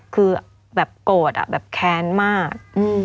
คือแบบโกรธแค้นมาก